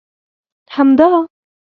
همدا!